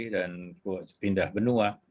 dan pindah benua